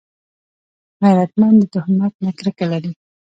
غیرتمند د تهمت نه کرکه لري